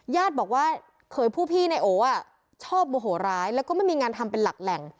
ญาติบอกว่าเขยผู้พี่นายโอชอบโมโหร้ายแล้วก็ไม่มีงานทำเป็นหลักแหล่ง